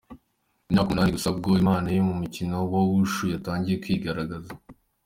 Ku myaka umunani gusa ni bwo impano ye mu mukino wa Wushu yatangiye kwigaragaza.